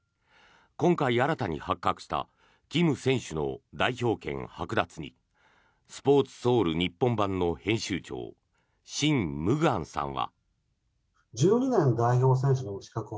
今回新たに発覚したキム選手の代表権はく奪にスポーツソウル日本版の編集長シン・ムグァンさんは。